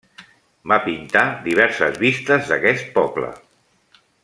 Va pintar diverses vistes d'aquest poble.